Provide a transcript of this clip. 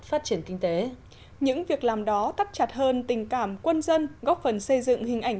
phát triển kinh tế những việc làm đó tắt chặt hơn tình cảm quân dân góp phần xây dựng hình ảnh